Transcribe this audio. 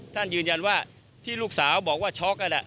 ท่านยืนยันว่าที่ลูกสาวบอกว่าช็อก